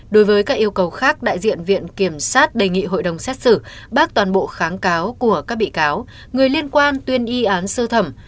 đối với các yêu cầu khác đại diện viện kiểm sát đề nghị hội đồng xét xử bác toàn bộ kháng cáo của các bị cáo người liên quan tuyên y án sơ thẩm